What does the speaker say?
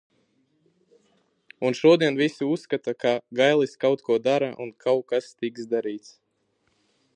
Un šodien visi uzskata, ka Gailis kaut ko dara un kaut kas tiks darīts.